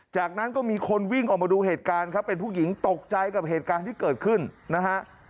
จากนั้นก็มีคนวิ่งออกมาดูเหตุการณ์ครับเป็นผู้หญิงตกใจกับเหตุการณ์ที่เกิดขึ้นนะฮะ